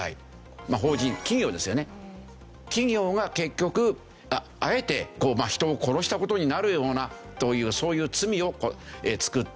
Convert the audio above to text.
まあ法人企業ですよね。企業が結局あえて人を殺した事になるようなというそういう罪を作った。